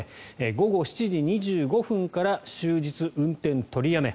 午後７時２５分から終日運転取りやめ。